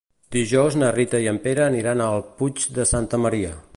Dijous na Rita i en Pere aniran al Puig de Santa Maria.